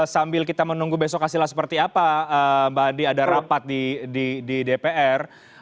sambil kita menunggu besok hasilnya seperti apa mbak andi ada rapat di dpr